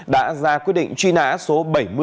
đã ra quyết định truy nã số bảy mươi